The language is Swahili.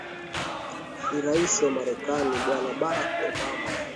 ni rais wa marekani bwana barack obama